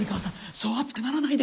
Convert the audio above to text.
そう熱くならないで。